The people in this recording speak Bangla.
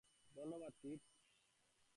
ধন্যবাদ, কিথ।